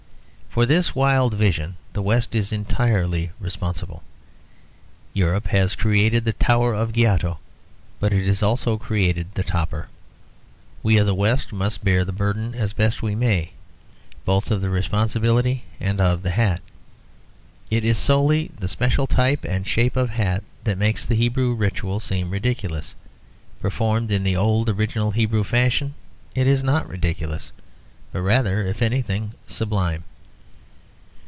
For this wild vision the West is entirely responsible. Europe has created the Tower of Giotto; but it has also created the topper. We of the West must bear the burden, as best we may, both of the responsibility and of the hat. It is solely the special type and shape of hat that makes the Hebrew ritual seem ridiculous. Performed in the old original Hebrew fashion it is not ridiculous, but rather if anything sublime.